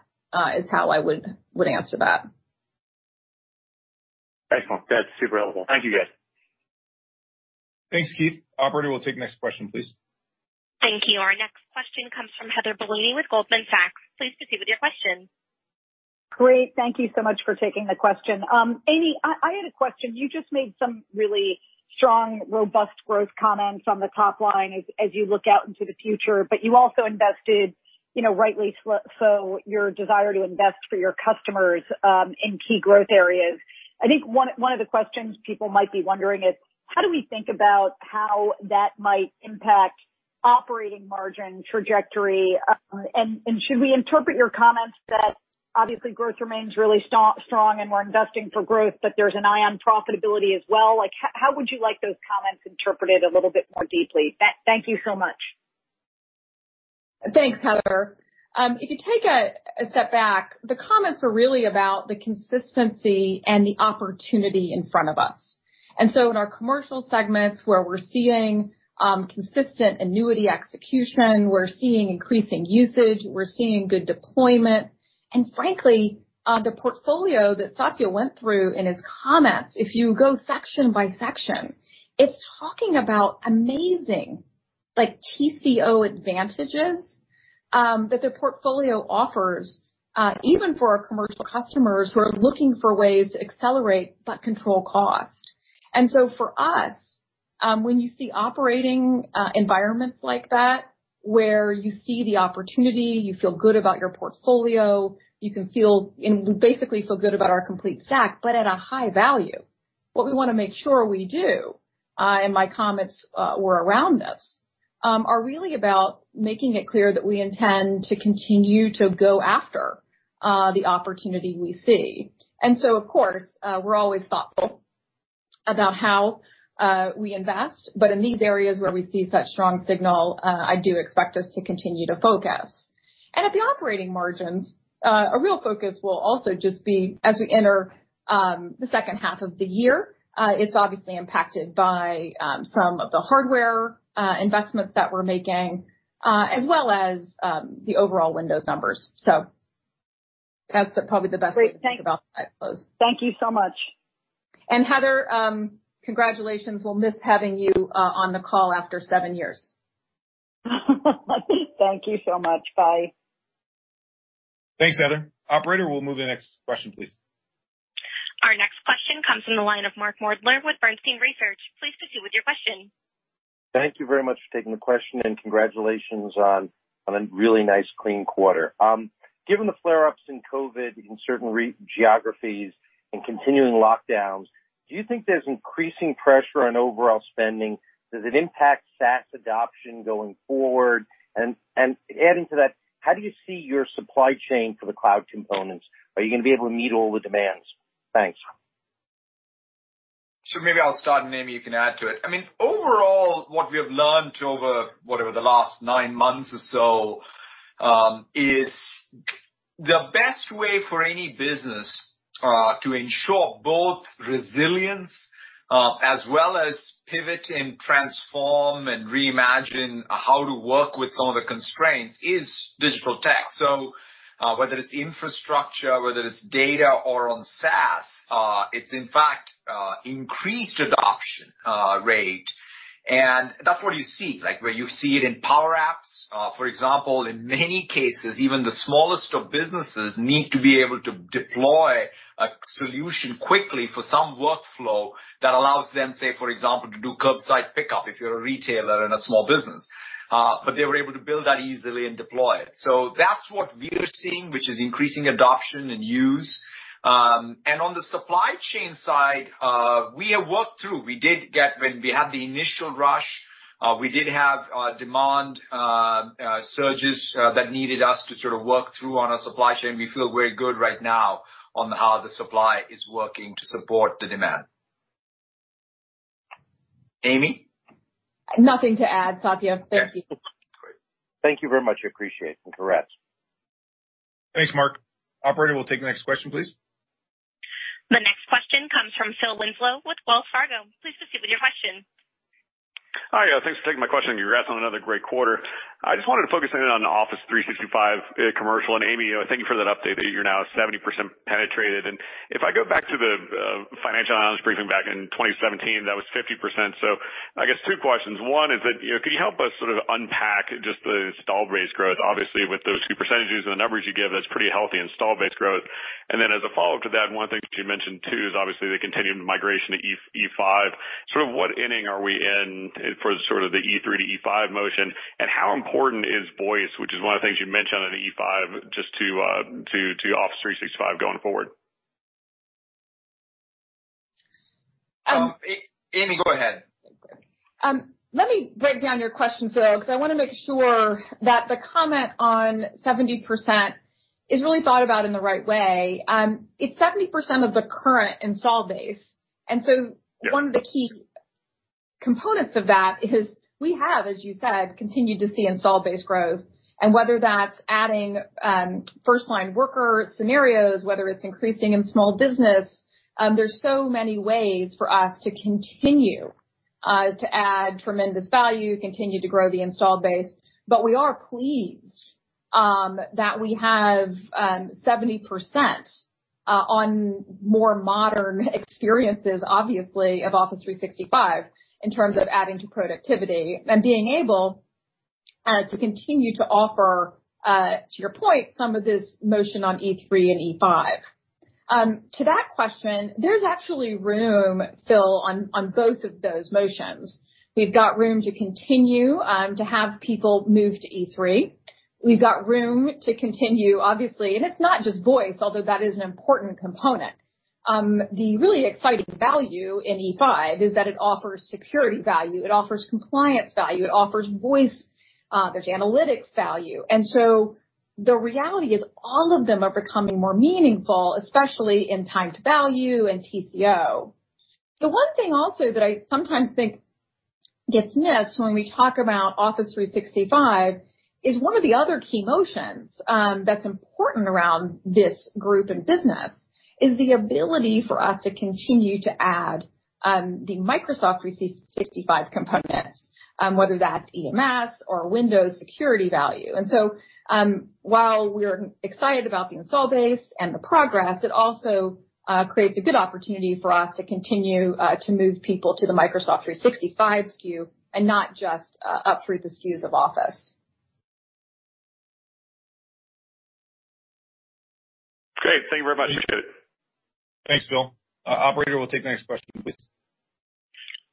is how I would answer that. Excellent. That's super helpful. Thank you, guys. Thanks, Keith. Operator, we'll take the next question, please. Thank you. Our next question comes from Heather Bellini with Goldman Sachs. Please proceed with your question. Great. Thank you so much for taking the question. Amy, I had a question. You just made some really strong, robust growth comments on the top line as you look out into the future, but you also invested, you know, rightly so, your desire to invest for your customers in key growth areas. I think one of the questions people might be wondering is, how do we think about how that might impact operating margin trajectory? Should we interpret your comments as that obviously growth remains really strong, and we're investing for growth, but there's an eye on profitability as well? Like, how would you like those comments interpreted a little bit more deeply? Thank you so much. Thanks, Heather. If you take a step back, the comments are really about the consistency and the opportunity in front of us. In our commercial segments where we're seeing consistent annuity execution, we're seeing increasing usage, we're seeing good deployment. Frankly, the portfolio that Satya went through in his comments, if you go section by section, is talking about amazing, like, TCO advantages that the portfolio offers even for our commercial customers who are looking for ways to accelerate but control cost. For us, when you see operating environments like that, where you see the opportunity, you feel good about your portfolio, we basically feel good about our complete stack, but at a high value. What we want to make sure we do, and my comments were around this, are really about making it clear that we intend to continue to go after the opportunity we see. Of course, we're always thoughtful about how we invest, but in these areas where we see such a strong signal, I do expect us to continue to focus. At the operating margins, a real focus will also just be as we enter the second half of the year, it's obviously impacted by some of the hardware investments that we're making, as well as the overall Windows numbers. That's probably the best way to think about that as I close. Thank you so much. Heather Bellini, congratulations! We'll miss having you on the call after seven years. Thank you so much. Bye. Thanks, Heather. Operator, we'll move to the next question, please. Our next question comes from the line of Mark Moerdler with Bernstein Research. Please proceed with your question. Thank you very much for taking the question, and congratulations on a really nice, clean quarter. Given the flare-ups in COVID in certain geographies and continuing lockdowns, do you think there's increasing pressure on overall spending? Does it impact SaaS adoption going forward? Adding to that, how do you see your supply chain for the cloud components? Are you going to be able to meet all the demands? Thanks. Maybe I'll start, and maybe you can add to it. I mean, overall, what we have learned over, whatever, the last nine months or so is the best way for any business to ensure both resilience and the ability to pivot and transform and reimagine how to work with some of the constraints of digital tech. Whether it's infrastructure, whether it's data or SaaS, it's, in fact, an increased adoption rate. That's what you see, like where you see it in Power Apps, for example. In many cases, even the smallest of businesses need to be able to deploy a solution quickly for some workflow that allows them, say, for example, to do curbside pickup if you're a retailer and a small business. They were able to build that easily and deploy it. That's what we're seeing, which is increasing adoption and use. On the supply chain side, we have worked through it. When we had the initial rush, we did have demand surges that needed us to sort of work through our supply chain. We feel very good right now about how the supply is working to support the demand. Amy? Nothing to add, Satya. Thank you. Thank you very much. Appreciate it. Congrats. Thanks, Mark. Operator, we'll take the next question, please. The next question comes from Phil Winslow with Wells Fargo. Please proceed with your question. Hi, yeah, thanks for taking my question, and congrats on another great quarter. I just wanted to focus on Office 365 Commercial. Amy, thank you for that update that you're now 70% penetrated. If I go back to the financial analyst briefing back in 2017, that was 50%. I guess two questions. One is that, you know, could you help us sort of unpack just the install base growth? Obviously, with those two percentages and the numbers you give, that's pretty healthy install base growth. Then as a follow-up to that, one of the things that you mentioned too is obviously the continued migration to E5. Sort of what inning are we in for sort of the E3 to E5 motion? How important is Voice, which is one of the things you mentioned on E5 just to Office 365 going forward? Amy, go ahead. Let me break down your question, Phil, because I want to make sure that the comment on 70% is really thought about in the right way. It's 70% of the current install base. Yeah. One of the key components of that is we have, as you said, continued to see install base growth. Whether that's adding first-line worker scenarios or increasing in small business, there are so many ways for us to continue to add tremendous value and continue to grow the install base. We are pleased that we have 70% or more modern experiences, obviously, of Office 365 in terms of adding to productivity and being able to continue to offer, to your point, some of this motion on E3 and E5. To that question, there's actually room, Phil, on both of those motions. We've got room to continue to have people move to E3. We've got room to continue, obviously, and it's not just Voice, although that is an important component. The really exciting value in E5 is that it offers security value, it offers compliance value, it offers Voice, and there's analytics value. The reality is all of them are becoming more meaningful, especially in value and TCO. The one thing also that I sometimes think gets missed when we talk about Office 365 is one of the other key motions that's important around this group and business is the ability for us to continue to add the Microsoft 365 components, whether that's EMS or Windows Security value. While we're excited about the install base and the progress, it also creates a good opportunity for us to continue to move people to the Microsoft 365 SKU and not just up through the SKUs of Office. Great. Thank you very much. Thanks, Phil. Operator, we'll take the next question, please.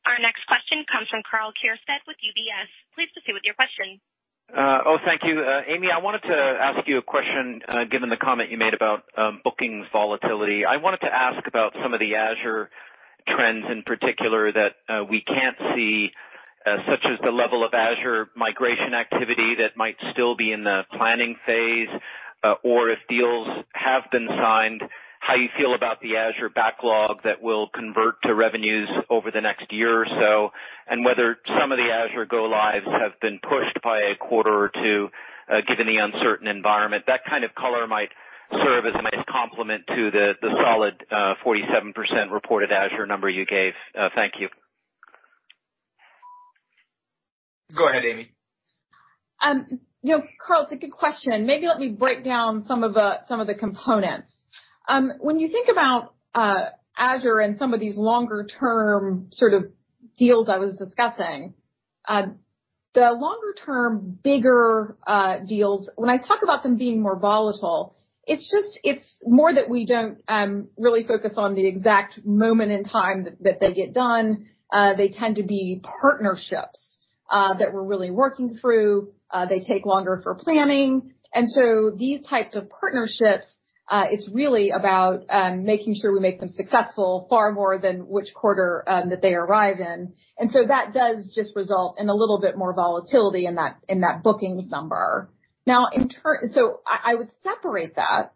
Our next question comes from Karl Keirstead with UBS. Please proceed with your question. Thank you. Amy, I wanted to ask you a question, given the comment you made about booking volatility. I wanted to ask about some of the Azure trends in particular that we can't see, such as the level of Azure migration activity that might still be in the planning phase or if deals have been signed, how you feel about the Azure backlog that will convert to revenues over the next year or so, and whether some of the Azure go-lives have been pushed by a quarter or two. Given the uncertain environment. That kind of color might serve as a nice complement to the solid 47% reported Azure number you gave. Thank you. Go ahead, Amy. You know, Karl, it's a good question. Maybe let me break down some of the components. When you think about Azure and some of these longer-term, bigger sort of deals I was discussing, the longer term bigger deals, when I talk about them being more volatile, it's just it's more that we don't really focus on the exact moment in time that they get done. They tend to be partnerships that we're really working through. They take longer for planning. These types of partnerships are really about making sure we make them successful far more than which quarter that they arrive in. That does just result in a little bit more volatility in that, in that booking number. I would separate that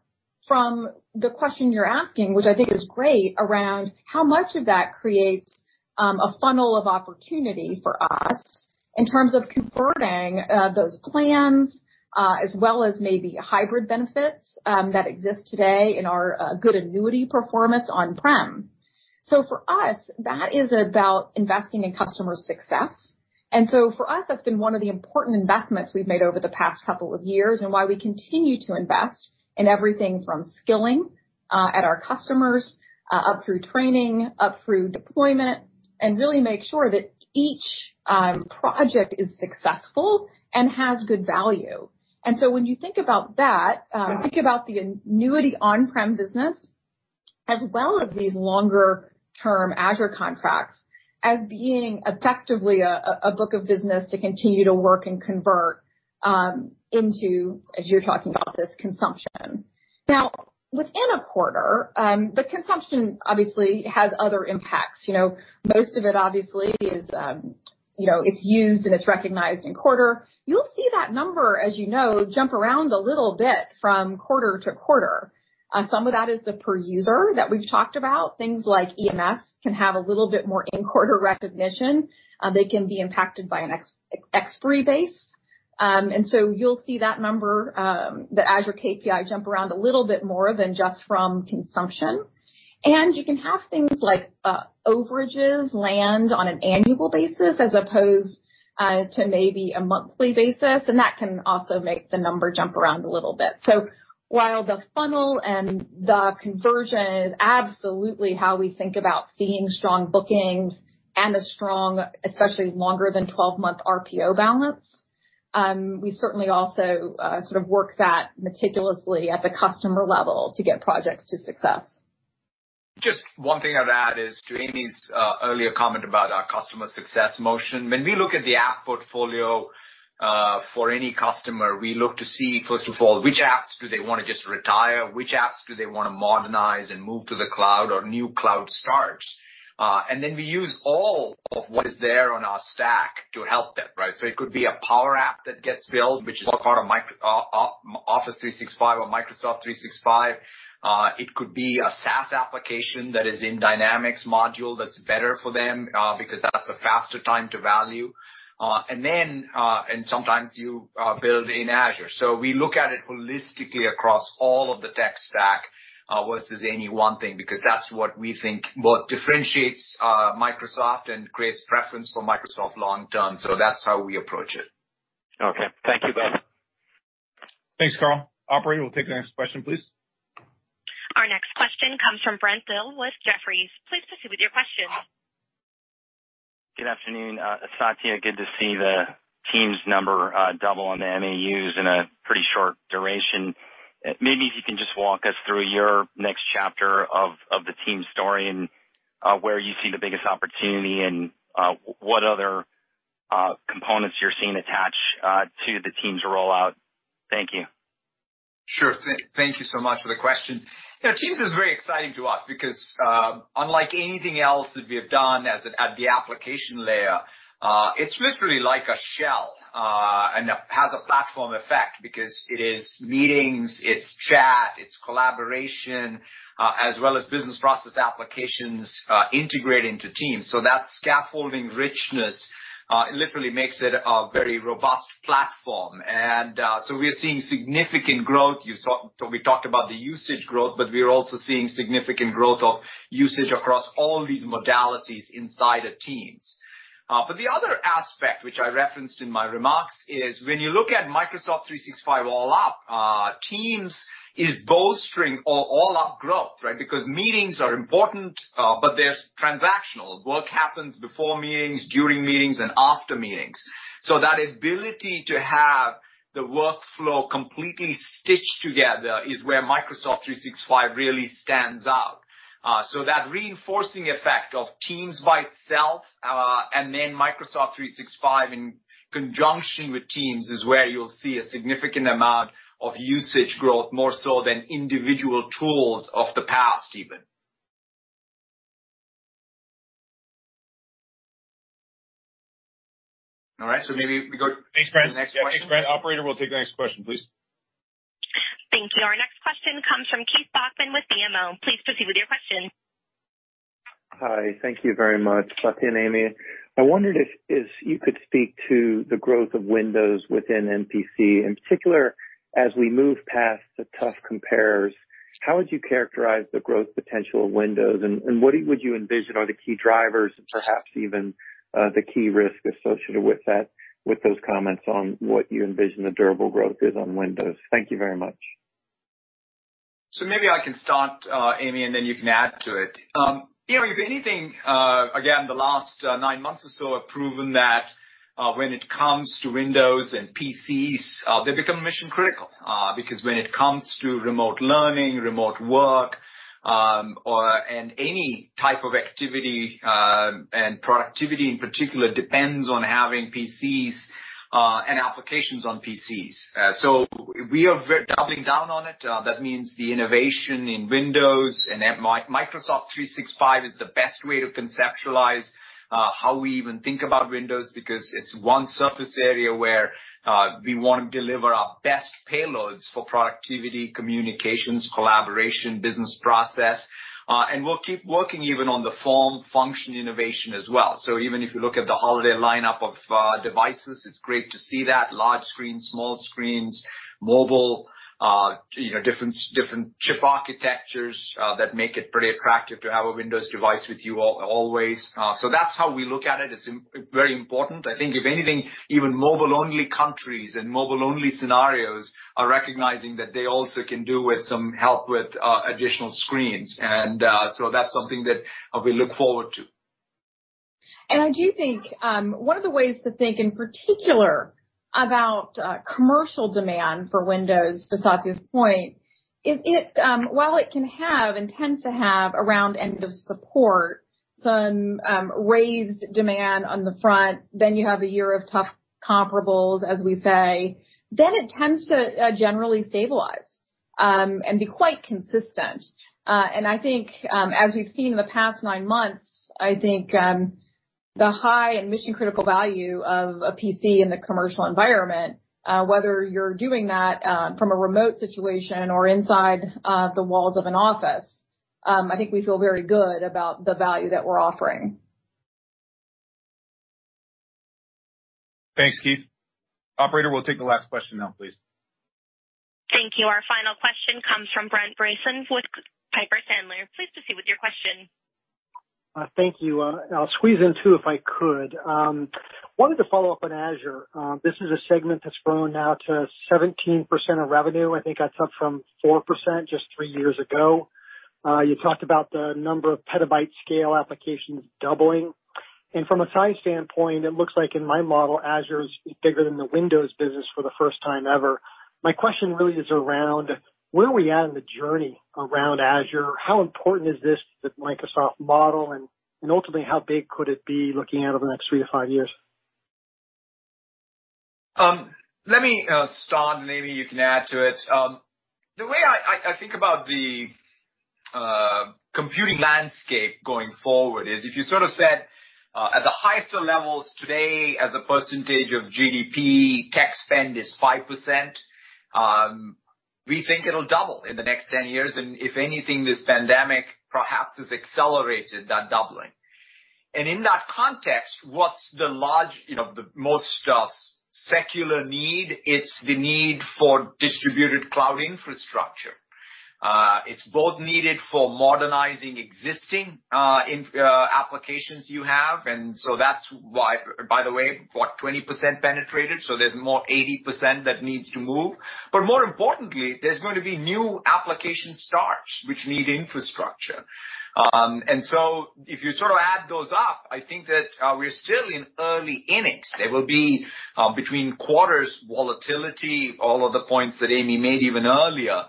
from the question you're asking, which I think is great, around how much of that creates a funnel of opportunity for us in terms of converting those plans as well as maybe hybrid benefits that exist today in our good annuity performance on-prem. For us, that is about investing in customer success. For us, that's been one of the important investments we've made over the past couple of years, and it's why we continue to invest in everything from skilling our customers up through training and up through deployment and really make sure that each project is successful and has good value. When you think about that, think about the annuity on-prem business as well as these longer-term Azure contracts as being effectively a book of business to continue to work and convert into as you're talking about this consumption. Within a quarter, the consumption obviously has other impacts. You know, most of it obviously is, you know, it's used and it's recognized in quarters. You'll see that number, as you know, jump around a little bit from quarter-to-quarter. Some of that is the per user that we've talked about. Things like EMS can have a little bit more in-quarter recognition. They can be impacted by an expiry date. You'll see that number, the Azure KPI jumps around a little bit more than just from consumption. You can have things like overages land on an annual basis as opposed to maybe a monthly basis, and that can also make the number jump around a little bit. While the funnel and the conversion are absolutely how we think about seeing strong bookings and a strong, especially longer than 12-month RPO balance, we certainly also sort of work that meticulously at the customer level to get projects to success. Just one thing I'd add is to Amy's earlier comment about our customer success motion. When we look at the app portfolio for any customer, we look to see, first of all, which apps do they want to just retire and which apps do they want to modernize and move to the cloud or new cloud starts? Then we use all of what is there on our stack to help them, right? It could be a Power App that gets built, which is all part of Office 365 or Microsoft 365. It could be a SaaS application that is in a Dynamics module that's better for them because that's a faster time to value. Then sometimes you build in Azure. We look at it holistically across all of the tech stack, versus any one thing, because that's what we think both differentiates Microsoft and creates preference for Microsoft long-term. That's how we approach it. Okay. Thank you both. Thanks, Karl. Operator, we'll take the next question, please. Our next question comes from Brent Thill with Jefferies. Please proceed with your question. Good afternoon. Satya, it's good to see the Teams number double in the MAUs in a pretty short duration. Maybe you can just walk us through your next chapter of the Teams story and where you see the biggest opportunity and what other components you're seeing attached to the Teams rollout? Thank you. Sure. Thank you so much for the question. You know, Microsoft Teams is very exciting to us because, unlike anything else that we have done as it at the application layer, it's literally like a shell, and it has a platform effect because it is meetings, it's chat, it's collaboration, as well as business process applications integrated into Microsoft Teams. That scaffolding richness literally makes it a very robust platform. We are seeing significant growth. We talked about the usage growth, but we are also seeing significant growth of usage across all these modalities inside of Microsoft Teams. The other aspect that I referenced in my remarks is when you look at Microsoft 365 all up, Microsoft Teams is bolstering all-up growth, right? Meetings are important, but they're transactional. Work happens before meetings, during meetings, and after meetings. That ability to have the workflow completely stitched together is where Microsoft 365 really stands out. That reinforcing effect of Teams by itself and Microsoft 365 in conjunction with Teams is where you'll see a significant amount of usage growth, more so than individual tools of the past even. All right, maybe we go to the next question. [inaudible] Operator, we'll take the next question, please. Thank you. Our next question comes from Keith Bachman with BMO. Please proceed with your question. Hi. Thank you very much, Satya and Amy. I wondered if you could speak to the growth of Windows within MPC. In particular, as we move past the tough compares, how would you characterize the growth potential of Windows? What would you envision as the key drivers and perhaps even the key risks associated with those comments on what you envision the durable growth is on Windows? Thank you very much. Maybe I can start, Amy, and then you can add to it. You know, if anything, again, the last nine months or so have proven that when it comes to Windows and PCs, they become mission-critical. Because when it comes to remote learning, remote work, or any type of activity, productivity in particular depends on having PCs and applications on PCs. We are doubling down on it. That means the innovation in Windows and Microsoft 365 is the best way to conceptualize how we even think about Windows because it's one surface area where we want to deliver our best payloads for productivity, communications, collaboration, and business processes. And we'll keep working even on the form, function, and innovation as well. Even if you look at the holiday lineup of devices, it's great to see that large screens, small screens, mobile, you know, and different chip architectures make it pretty attractive to have a Windows device with you always. That's how we look at it. It's very important. I think if anything, even mobile-only countries and mobile-only scenarios are recognizing that they also can do with some help with additional screens. So that's something that we look forward to. I do think one of the ways to think in particular about commercial demand for Windows, to Satya's point, is that while it can have and tends to have, around the end of support, some raised demand on the front, then you have a year of tough comparables, as we say, and then it tends to generally stabilize and be quite consistent. I think, as we've seen in the past nine months, I think the high and mission-critical value of a PC in the commercial environment, whether you're doing that from a remote situation or inside the walls of an office, I think we feel very good about the value that we're offering. Thanks, Keith. Operator, we'll take the last question now, please. Thank you. Our final question comes from Brent Bracelin with Piper Sandler. Please proceed with your question. Thank you. I'd squeeze in two if I could. Wanted to follow up on Azure. This is a segment that's grown now to 17% of revenue. I think that's up from 4% just three years ago. You talked about the number of petabyte-scale applications doubling. From a size standpoint, it looks like in my model, Azure is bigger than the Windows business for the first time ever. My question really is around where we are at in the journey around Azure. How important is this to the Microsoft model? Ultimately, how big could it be looking out over the next three, five years? Let me start, maybe you can add to it. The way I think about the computing landscape going forward is if you sort of said at the highest of levels today, as a percentage of GDP, tech spend is 5%. We think it'll double in the next 10 years, if anything, this pandemic perhaps has accelerated that doubling. In that context, what's the large, you know, the most secular need? It's the need for distributed cloud infrastructure. It's needed for modernizing existing applications you have. That's why, by the way, we're at 20% penetrated, so there's more than 80% that needs to move. More importantly, there are going to be new application starts, which need infrastructure. If you sort of add those up, I think that we're still in early innings. There will be, between quarters, volatility, and all of the points that Amy made even earlier.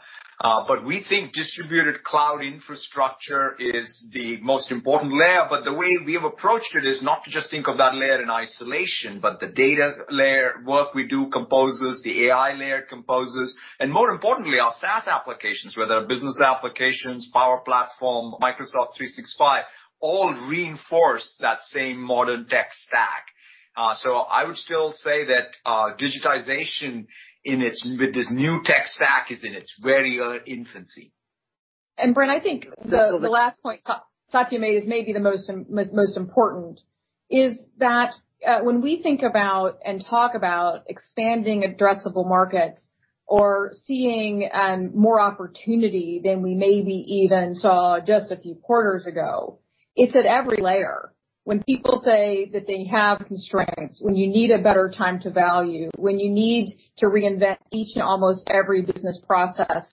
We think distributed cloud infrastructure is the most important layer, but the way we have approached it is not to just think of that layer in isolation; the data layer work we do composes, the AI layer composes, and more importantly, our SaaS applications, whether our business applications, Power Platform, or Microsoft 365, all reinforce that same modern tech stack. I would still say that digitization with this new tech stack is in its very early infancy. Brent, I think the last point Satya made is maybe the most important, when we think about and talk about expanding addressable markets or seeing more opportunity than we maybe even saw just a few quarters ago, it's at every layer. When people say that they have constraints, when you need a better time to value, when you need to reinvent each and almost every business process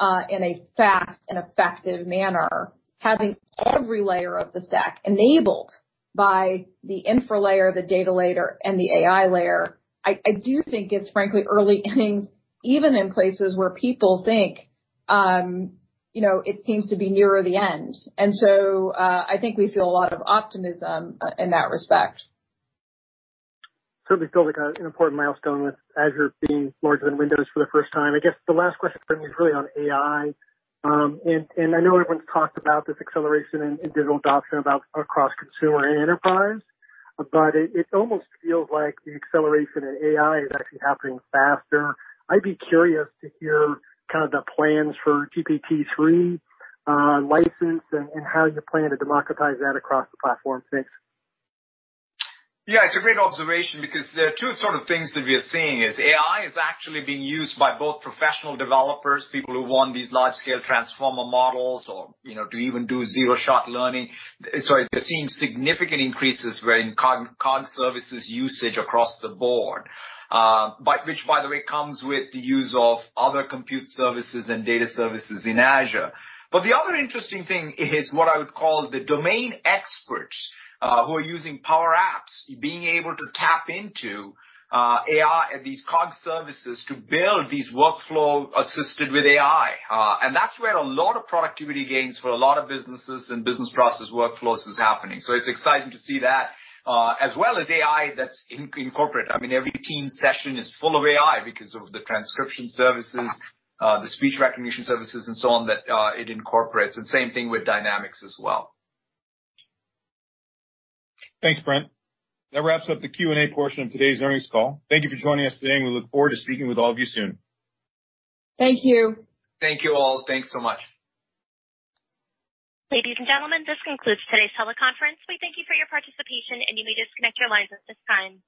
in a fast and effective manner, having every layer of the stack enabled by the infra layer, the data layer, and the AI layer, I do think it's frankly early innings, even in places where people think, you know, it seems to be nearer the end. I think we feel a lot of optimism in that respect. Certainly feel like an important milestone with Azure being larger than Windows for the first time. I guess the last question for me is really on AI. I know everyone's talked about this acceleration in digital adoption across consumer and enterprise, but it almost feels like the acceleration in AI is actually happening faster. I'd be curious to hear kind of the plans for the GPT-3 license and how you plan to democratize that across the platform. Thanks. Yeah, it's a great observation because there are two sorts of things that we are seeing, AI is actually being used by both professional developers and people who want these large-scale transformer models or, you know, to even do zero-shot learning. We're seeing significant increases in Cognitive Services usage across the board. which, by the way, comes with the use of other compute services and data services in Azure. The other interesting thing is what I would call the domain experts, who are using Power Apps, being able to tap into AI, these Cognitive Services, to build these workflows assisted with AI. That's where a lot of productivity gains for a lot of businesses and business process workflows are happening. It's exciting to see that, as well as AI that's in corporations. I mean, every Teams session is full of AI because of the transcription services, the speech recognition services, and so on that it incorporates. Same thing with Dynamics as well. Thanks, Brent. That wraps up the Q&A portion of today's earnings call. Thank you for joining us today, and we look forward to speaking with all of you soon. Thank you. Thank you all. Thanks so much. Ladies and gentlemen, this concludes today's teleconference. We thank you for your participation, and you may disconnect your lines at this time.